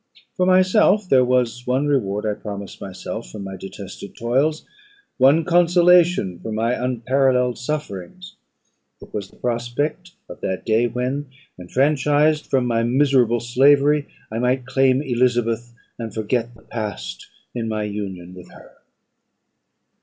For myself, there was one reward I promised myself from my detested toils one consolation for my unparalleled sufferings; it was the prospect of that day when, enfranchised from my miserable slavery, I might claim Elizabeth, and forget the past in my union with her.